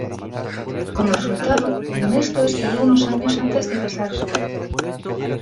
Como resultado, Ernesto esperó unos años antes de casarse.